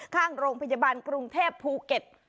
ข้างโรงพยาบาลกรุงเทพภูเก็ต